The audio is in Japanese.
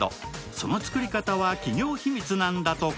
その作り方は企業秘密なんだとか。